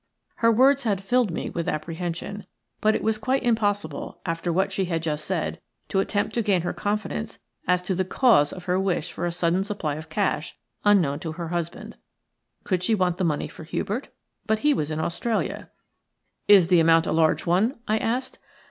Her words had filled me with apprehension, but it was quite impossible, after what she had just said, to attempt to gain her confidence as to the cause of her wish for a sudden supply of cash unknown to her husband. Could she want the money for Hubert? But he was in Australia. "Is the amount a large one?" I asked.